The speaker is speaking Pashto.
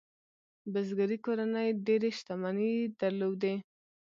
بزګري کورنۍ ډېرې شتمنۍ درلودې.